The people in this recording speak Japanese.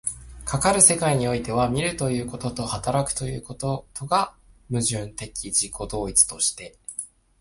かかる世界においては、見るということと働くということとが矛盾的自己同一として、